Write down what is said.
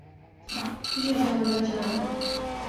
কিছু ঝামেলায় জড়াবো।